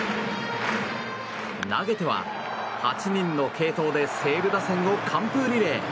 投げては８人の継投で西武打線を完封リレー。